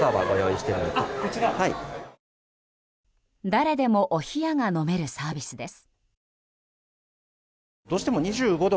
誰でもお冷やが飲めるサービスです。